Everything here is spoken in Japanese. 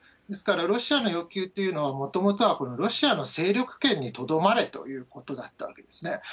ですから、ロシアの要求というのは、もともとはロシアの勢力圏にとどまれということだったわけですね。